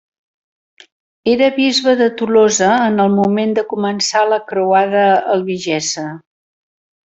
Era bisbe de Tolosa en el moment de començar a Croada Albigesa.